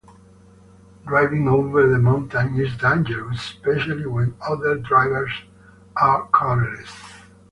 Driving over the mountain is dangerous especially when other drivers are careless